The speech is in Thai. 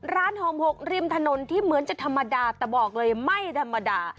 หอมหกริมถนนที่เหมือนจะธรรมดาแต่บอกเลยไม่ธรรมดา